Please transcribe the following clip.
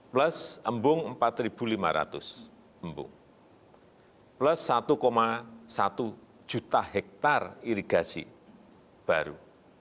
plus embung empat lima ratus embung plus satu satu juta hektare irigasi baru